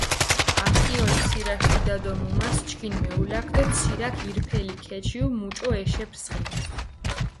ახიოლ ცირაშ დიდა დო მუმას ჩქინ მეულაქ დო ცირაქ ირფელი ქეჩიუ მუჭო ეშეფრსხინ.